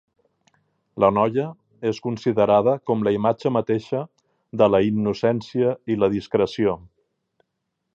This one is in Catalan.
La noia és considerada com la imatge mateixa de la innocència i la discreció.